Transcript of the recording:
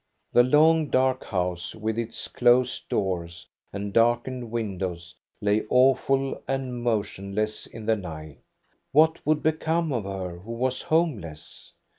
The long, dark house with its closed doors and darkened windows lay awful and motionless in the night What would become of her, who was home less?